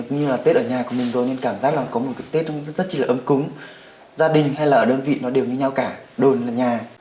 như là tết ở nhà của mình rồi nên cảm giác là có một cái tết rất là ấm cúng gia đình hay là ở đơn vị nó đều như nhau cả đồn là nhà